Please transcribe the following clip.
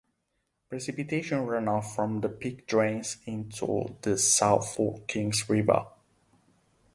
Precipitation runoff from the peak drains into the South Fork Kings River.